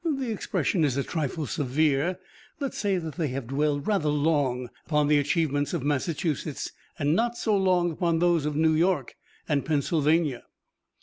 "The expression is a trifle severe. Let's say that they have dwelled rather long upon the achievements of Massachusetts and not so long upon those of New York and Pennsylvania."